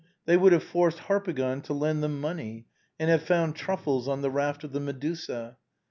They would have forced Har pagon to lend them money, and have found truffles on the raft of the " Medusa."